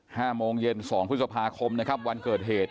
ห้าโมงเย็นสองพฤษภาคมนะครับวันเกิดเหตุ